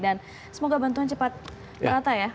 dan semoga bantuan cepat berata ya